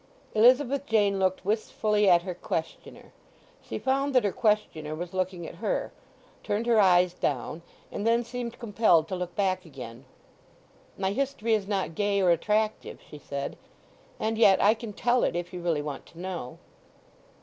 Elizabeth Jane looked wistfully at her questioner. She found that her questioner was looking at her, turned her eyes down; and then seemed compelled to look back again. "My history is not gay or attractive," she said. "And yet I can tell it, if you really want to know."